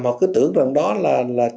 họ cứ tưởng rằng đó là